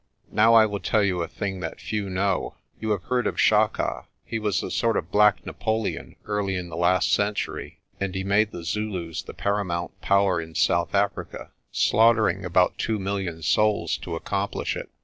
"Now I will tell you a thing that few know. You have heard of Chaka. He was a sort of black Napoleon early in the last century, and he made the Zulus the paramount power in South Africa, slaughtering about two million souls to accomplish it.